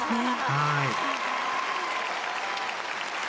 はい。